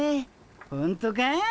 ほんとか？